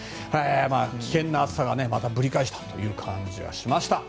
危険な暑さがまたぶり返したという感じがしました。